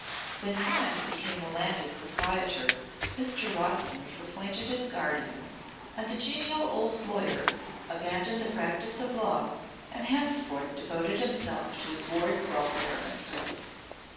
When Kenneth became a landed proprietor Mr. Watson was appointed his guardian, and the genial old lawyer abandoned the practice of law and henceforth devoted himself to his ward's welfare and service.